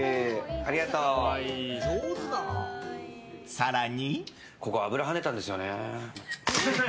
更に。